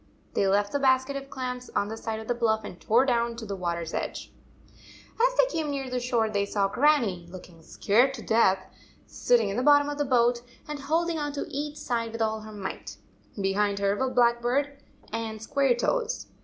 They left the basket of clams on the side of the bluff and tore down to th water s edge. As the boat came near the shore, they saw Grannie, looking scared to death, sit ting in the bottom of the boat, and holding on to each side with all her might. Behind her were Blackbird and Squaretoes!